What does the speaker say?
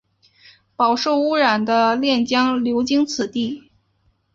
饱受污染的练江流经此地。